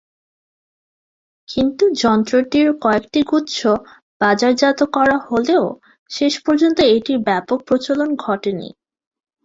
কিন্তু যন্ত্রটির কয়েকটি গুচ্ছ বাজারজাত করা হলেও শেষ পর্যন্ত এটির ব্যাপক প্রচলন ঘটেনি।